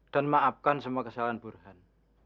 dan maafkan semua kesalahan burhan